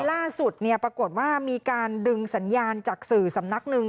ปรากฏว่ามีการดึงสัญญาณจากสื่อสำนักหนึ่ง